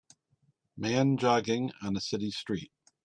Man jogging on a city street.